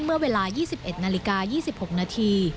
เมื่อเวลา๒๑นาฬิกา๒๖นาที